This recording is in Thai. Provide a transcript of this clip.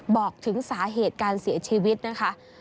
บอกถึงสาเหตุการเสียชีวิตนะคะ